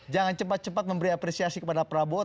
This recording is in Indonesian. jangan cepat cepat memberi apresiasi kepada prabowo